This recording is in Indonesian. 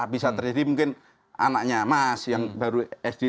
bisa terjadi mungkin anaknya mas yang baru sd